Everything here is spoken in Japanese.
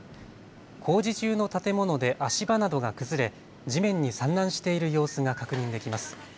工事中の建物で足場などが崩れ地面に散乱している様子が確認できます。